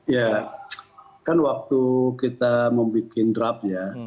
ya kan waktu kita membuat draft ya